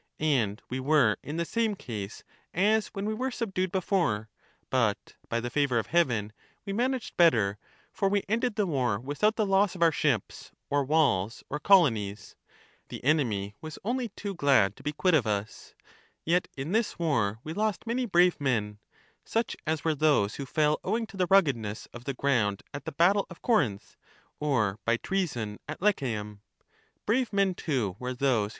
And we were in the same case as when we were subdued before ; but, by the favour of Heaven, we managed better, for we ended the war without the loss of our ships or walls or colonies ; the enemy was only too glad to be quit of us. Yet in this war we lost many brave men, such as were those who fell owing to the ruggedness of the ground at the battle of Corinth, or by treason at Lechaeum. Brave men, too, were those who Address of the departed to their sons.